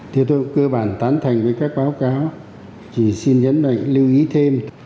thì tôi cơ bản tán thành với các báo cáo thì xin nhấn mạnh lưu ý thêm